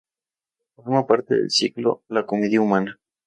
Forma parte del ciclo "La comedia humana".